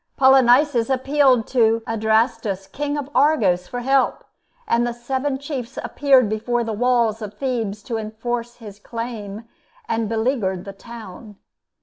Polynices appealed to Adrastus King of Argos for help, and seven chiefs appeared before the walls of Thebes to enforce his claim, and beleaguered the town.